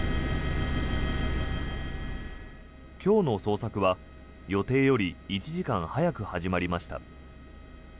今日の捜索は、予定より１時間早く始まりました。